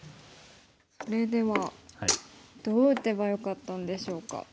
それではどう打てばよかったんでしょうか。